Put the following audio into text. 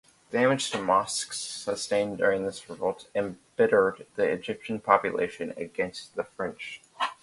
Damage to mosques sustained during this revolt embittered the Egyptian population against the French.